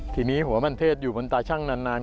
ทีนี้หัวมันเทศอยู่บนตาชั่งนาน